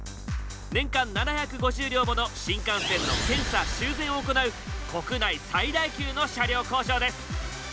年間７５０両もの新幹線の検査・修繕を行う国内最大級の車両工場です。